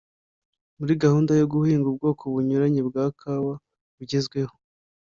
muri gahunda yo guhinga ubwoko bunyuranye bwa kawa bugezweho,